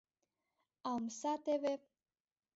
А омса теве!